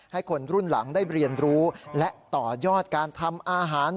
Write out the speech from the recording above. ให้คนรุ่นหลังได้เรียนรู้และต่อยอดการทำอาหาร